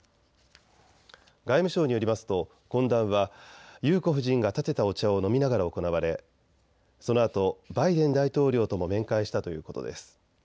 外務省によりますと懇談は裕子夫人がたてたお茶を飲みながら行われそのあとバイデン大統領とも面会したということです。